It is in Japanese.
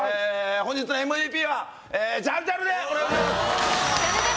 本日のＭＶＰはジャルジャルでお願いします